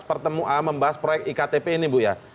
pertemuan membahas proyek iktp ini bu ya